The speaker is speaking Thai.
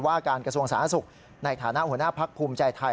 ว่าการกระทรวงสาธารณสุขในฐานะหัวหน้าพักภูมิใจไทย